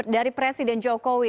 dari presiden jokowi